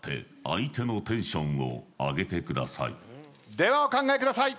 ではお考えください。